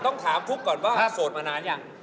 ต้องถามฟุ๊กก่อนว่าโสดมานานยัง